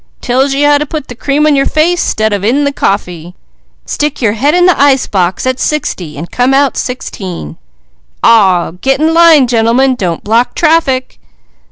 Tells you how to put the cream on your face 'stead of in the coffee! Stick your head in the ice box at sixty, and come out sixteen! Awah get in line, gentlemen! Don't block traffic!"